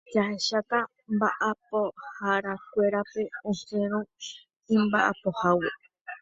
jahecháta mba'apoharakuérape osẽrõ imba'apohágui